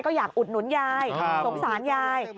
ก็อยากอุดหนุนยายสงสารยาย